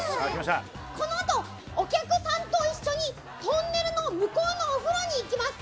このあと、お客さんと一緒にトンネルの向こうのお風呂に行きます。